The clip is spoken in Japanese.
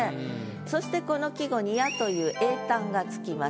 そしてこの季語に「や」という詠嘆が付きます。